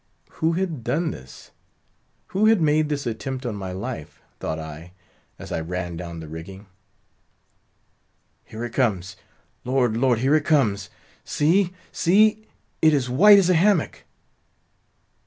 Who had done this? who had made this attempt on my life? thought I, as I ran down the rigging. "Here it comes!—Lord! Lord! here it comes! See, see! it is white as a hammock."